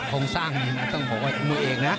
ทรงสร้างนี้นะต้องบอกว่ามวยเอกนะ